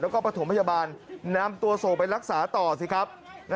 แล้วก็ประถมพยาบาลนำตัวส่งไปรักษาต่อสิครับ